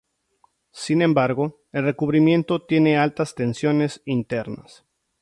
Sin embargo, el recubrimiento tiene altas tensiones internas.